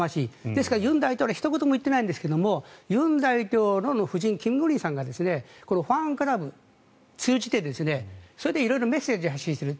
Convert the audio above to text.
ですから、尹大統領はひと言も言ってないんですが尹大統領の夫人キム・ゴンヒさんがファンクラブを通じて色々メッセージを発信している。